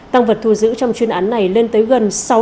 tăng vật thu giữ trong chuyên án này lên tới gần